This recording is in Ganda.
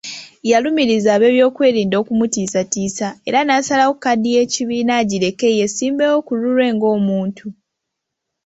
Yalumiriza ab'ebyokwerinda okumutiisatiisa era n'asalawo kaadi y'ekibiina agireke yeesimbewo ku lulwe ng'omuntu.